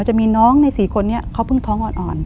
จะมีน้องใน๔คนนี้เขาเพิ่งท้องอ่อน